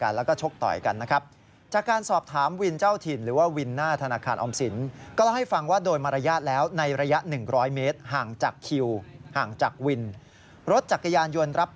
นะคิวซึ่งถือว่าผิดกฎก็ไม่มีปัญหากันนะครับ